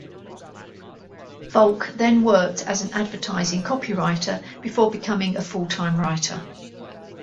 Volk then worked as an advertising copywriter before becoming a full-time writer.